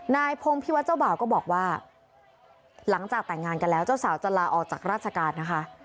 นายพงพิวัตรเจ้าบ่าวก็บอกว่าหลังจากแต่งงานกันแล้วเจ้าสาวจะลาออกจากราชการนะคะ